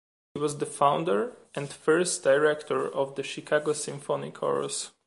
She was the founder and first director of the Chicago Symphony Chorus.